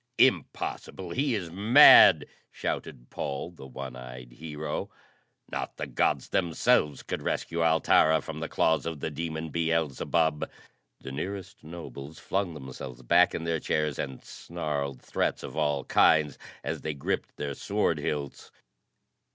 "Impossible! He is mad!" shouted Paul, the one eyed Hero. "Not the Gods themselves could rescue Altara from the claws of the demon Beelzebub!" The nearest nobles flung themselves back in their chairs and snarled threats of all kinds as they gripped their sword hilts.